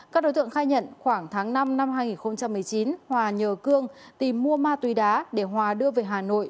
các đối tượng khai nhận khoảng tháng năm năm hai nghìn một mươi chín hòa nhờ cương tìm mua ma túy đá để hòa đưa về hà nội